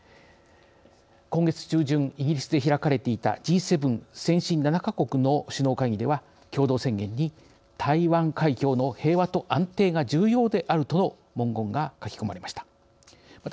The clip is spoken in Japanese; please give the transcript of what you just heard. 今月中旬イギリスで開かれていたＧ７＝先進７か国の首脳会議では共同宣言に台湾海峡の平和と安定が重要であるとの文言が書き込まれました。